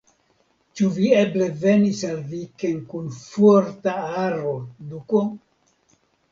Ĉu vi eble venis al viken kun forta aro, duko?